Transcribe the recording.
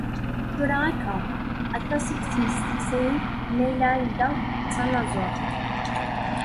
Tura akka, aṭas i yettmesteqsayen ma yella Ai-Da d tanaẓurt.